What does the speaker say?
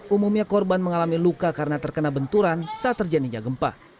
umumnya korban mengalami luka karena terkena benturan saat terjadinya gempa